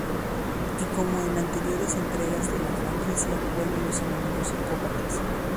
Y como en anteriores entregas de la franquicia vuelven los enemigos psicópatas.